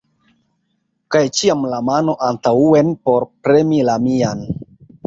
Kaj ĉiam la mano antaŭen por premi la mian!